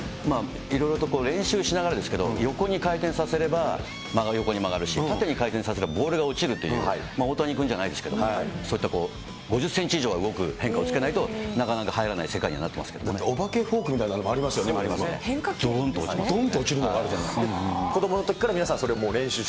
いろいろと練習しながらですけど、横に回転させれば横に曲がるし、縦に回転させればボールが落ちるという、大谷君じゃないですけど、そういった、５０センチ以上動く変化をつけないとなかなか入らない世界にはなだっておばけフォークみたいどんと落ちるのがあるじゃな子どものときから皆さん、それを練習して。